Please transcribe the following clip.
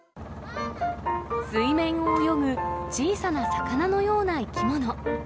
水面を泳ぐ小さな魚のような生き物。